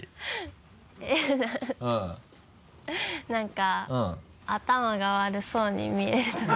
何か頭が悪そうに見えるところ。